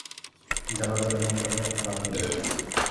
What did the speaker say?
যাবার বেলায় মনটা বড়ো খারাপ হইল।